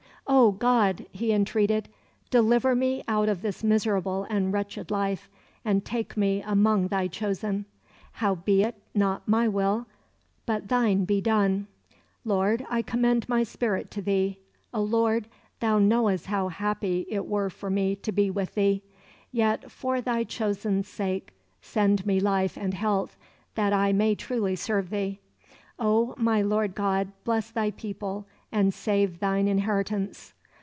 "'O God,' he entreated, 'deliver me out of this miserable and wretched life, and take me among Thy chosen; howbeit not my will, but Thine, be done. Lord, I commend my spirit to Thee. O Lord, Thou knowest how happy it were for me to be with Thee. Yet, for Thy chosen's sake, send me life and health, that I may truly serve Thee. O my Lord God, bless Thy people and save Thine inheritance.